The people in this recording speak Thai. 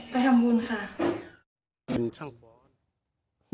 ไปทำบุญค่ะ